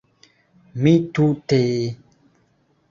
Mi tute...